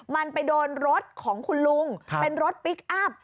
มันไปโดนรถของคุณลุงเป็นรถพลิกอัพ